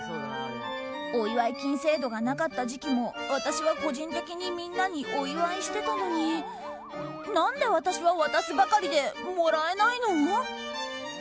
お祝い金制度がなかった時期も私は個人的にみんなにお祝いしてたのに何で私は渡すばかりでもらえないの？